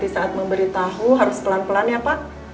saya mau beritahu harus pelan pelan ya pak